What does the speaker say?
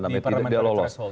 di permen terlalu